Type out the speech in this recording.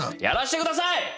やらして下さい！